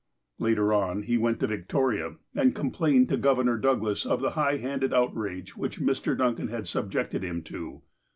Later on, he went to Victoria, and complained to Governor Douglas of the high handed outrage which Mr. Duncan had subjected him to.